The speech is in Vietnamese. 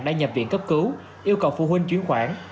đã nhập viện cấp cứu yêu cầu phụ huynh chuyển khoản